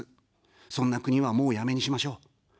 そんな国は、もうやめにしましょう。